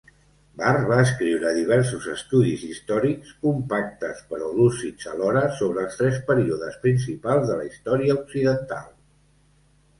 Barr va escriure diversos estudis històrics, compactes però lúcids alhora, sobre els tres períodes principals de la història occidental.